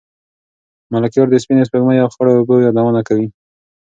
ملکیار د سپینې سپوږمۍ او خړو اوبو یادونه کوي.